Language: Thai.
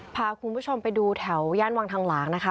พาคุณผู้ชมไปดูแถวย่านวังทางหลางนะคะ